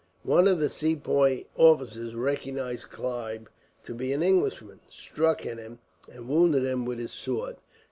One of the Sepoy officers recognized Clive to be an Englishman, struck at him, and wounded him with his sword.